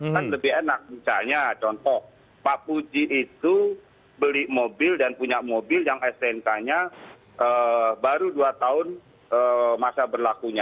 kan lebih enak misalnya contoh pak puji itu beli mobil dan punya mobil yang stnk nya baru dua tahun masa berlakunya